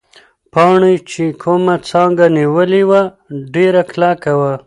پاڼې چې کومه څانګه نیولې وه، ډېره کلکه وه.